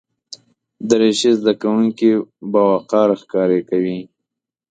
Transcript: دریشي زده کوونکي باوقاره ښکاره کوي.